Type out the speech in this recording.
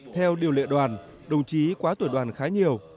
theo điều lệ đoàn đồng chí quá tuổi đoàn khá nhiều